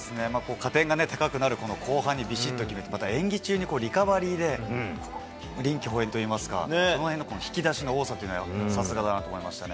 加点が高くなるこの後半にびしっと決めて、また演技中にリカバリーで臨機応変といいますか、そのへんの引き出しの多さというのは、さすがだなと思いましたね。